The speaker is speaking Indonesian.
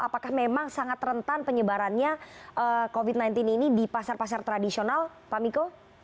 apakah memang sangat rentan penyebarannya covid sembilan belas ini di pasar pasar tradisional pak miko